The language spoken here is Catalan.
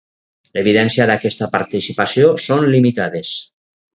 L'evidència d'aquesta participació són limitades.